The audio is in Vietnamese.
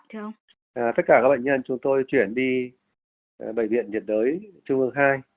tất cả các bệnh nhân chúng tôi chuyển đi bệnh viện nhiệt đới chung hương hai